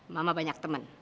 mama banyak temen